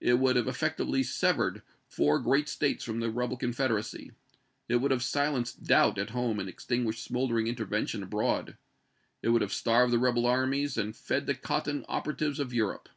It would have effectually severed four great States from the rebel Confederacy ; it would have silenced doubt at home and extinguished smoldering intervention abroad ; it would have starved the rebel armies and fed the cotton operatives of Europe.